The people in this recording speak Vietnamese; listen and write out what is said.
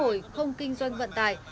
theo sở gia thông kinh doanh vận tải